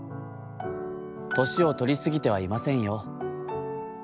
『年をとりすぎてはいませんよ。